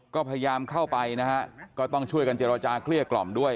ก็พยายามเข้าไปนะฮะก็ต้องช่วยกันเจรจาเกลี้ยกล่อมด้วย